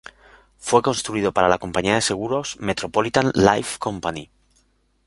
Fue construido para la compañía de seguros "Metropolitan Life Company".